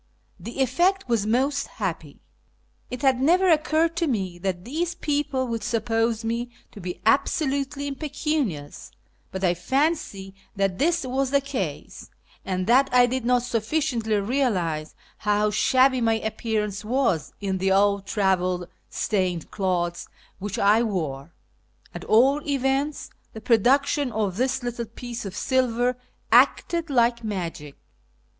The effect was most happy. It had never occurred to me that these people would suppose me to 1)6 absolutely impecunious, but I fancy that this was the case, and that I did not sufficiently realise how shabby my appearance was in the old travel stained clothes which I wore. At all events, the production of this little piece of silver acted like magic.